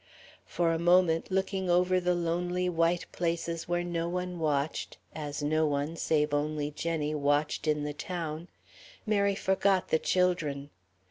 For a moment, looking over the lonely white places where no one watched, as no one save only Jenny watched in the town, Mary forgot the children....